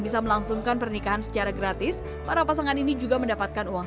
bisa melangsungkan pernikahan secara gratis para pasangan ini juga mendapatkan uang